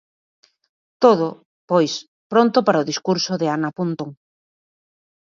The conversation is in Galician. Todo, pois, pronto para o discurso de Ana Pontón.